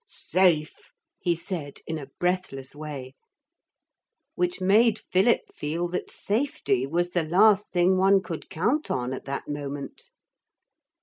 'Safe,' he said in a breathless way, which made Philip feel that safety was the last thing one could count on at that moment.